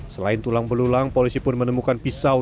selain tulang belulang polisi pun menemukan pisau